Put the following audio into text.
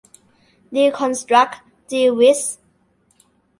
ดีคอนสตรัคติวิสม์